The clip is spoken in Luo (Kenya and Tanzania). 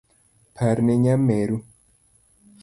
Parne nyameru